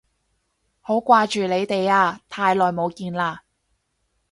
好掛住你哋啊，太耐冇見喇